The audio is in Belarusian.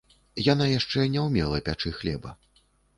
Яна яшчэ не ўмела пячы хлеба.